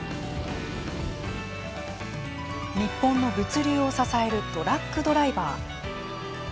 日本の物流を支えるトラックドライバー。